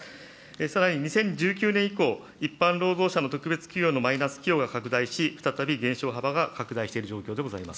さらに２０１９年以降、一般労働者の特別給与のマイナス寄与が拡大し、再び減少幅が拡大